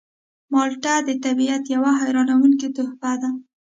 مالټه د طبیعت یوه حیرانوونکې تحفه ده.